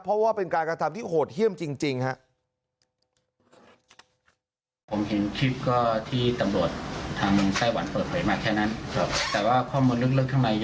เพราะว่าเป็นการกระทำที่โหดเยี่ยมจริงครับ